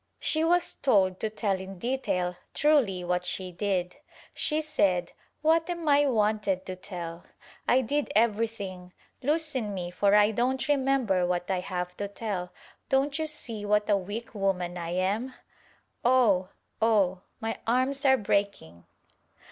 She was told to tell in detail truly what she did. She said "What am I wanted to tell ? I did everything — loosen me for I don't remember what I have to tell — don't you see what a weak woman I am? — Oh! Oh! my arms are breaking."